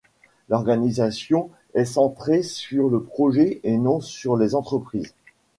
L’organisation est centrée sur le projet et non sur les entreprises.